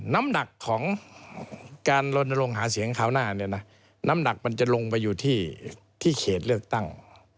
น้ำหนักของการลงหาเสียงขาวหน้าน้ำหนักมันลงไปอยู่ที่เขตเลือกตั้ง